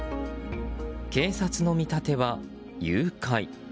警察の見立ては、誘拐。